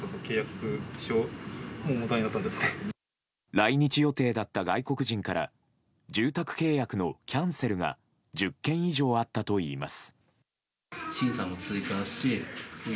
来日予定だった外国人から住宅契約のキャンセルが１０件以上あったといいます。